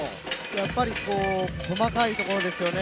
やっぱり細かいところですよね。